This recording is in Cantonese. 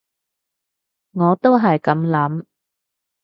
我都係噉諗